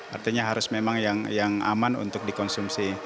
artinya harus memang yang aman untuk dikonsumsi